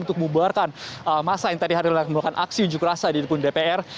untuk membubarkan massa yang tadi ada di lingkaran aksi yunjuk rasa di depan dpr